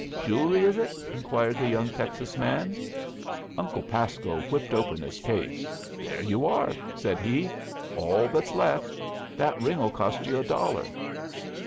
"Jewelry, is it?" inquired the young Texas man. Uncle Pasco whipped open his case. "There you are," said he. "All what's left. That ring'll cost you a dollar."